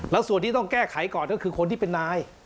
แล้วส่วนที่ต้องแก้ไขก่อนก็คือคนที่เป็นนาย